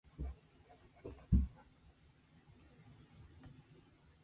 音声